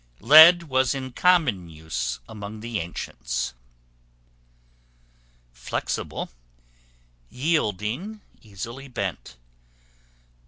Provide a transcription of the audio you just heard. Lead was in common use among the ancients. Flexible, yielding, easily bent.